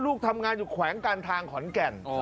ลูกทำงานอยู่แขวงการทางขอนแก่น